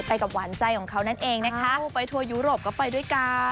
กับหวานใจของเขานั่นเองนะคะไปทัวร์ยุโรปก็ไปด้วยกัน